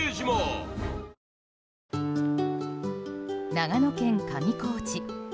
長野県上高地。